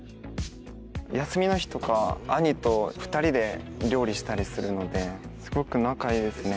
休みの日とか兄と２人で料理したりするのですごく仲いいですね。